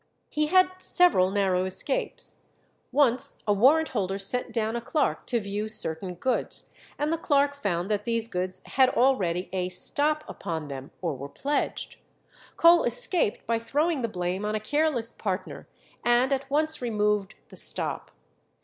He had several narrow escapes. Once a warrant holder sent down a clerk to view certain goods, and the clerk found that these goods had already a "stop" upon them, or were pledged. Cole escaped by throwing the blame on a careless partner, and at once removed the "stop."